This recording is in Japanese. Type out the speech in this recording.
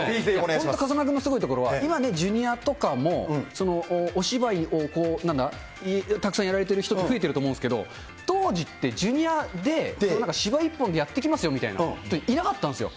本当風間君のすごいところは今、ジュニアとかもお芝居をなんだ、たくさんやられてる人って増えてると思うんですけど、当時ってジュニアで芝居一本でやっていきますよっていう人、いなかったんですよ。